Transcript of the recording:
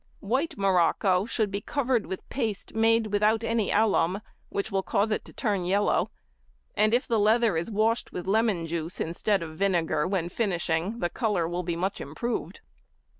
White morocco should be covered with paste made without any alum, which causes it to turn yellow, and if the leather is washed with lemon juice instead of vinegar when finishing, the colour will be much improved.